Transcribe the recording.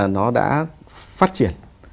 nó đã phát triển